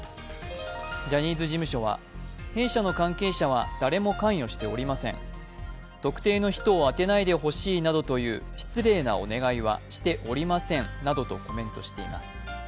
ジャニーズ事務所は弊社の関係者は誰も関与しておりません、特定の人を当てないでほしいなどという失礼なお願いはしておりませんなどとコメントしています。